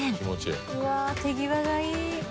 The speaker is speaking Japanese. うわあ手際がいい！